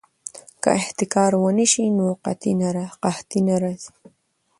که احتکار ونه شي نو قحطي نه راځي.